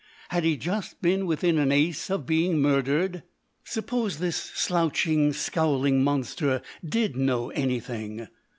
Had he just been within an ace of being murdered? Suppose this slouching, scowling monster did know anything?